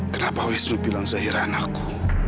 kenapa wisnu bilang zahira anakku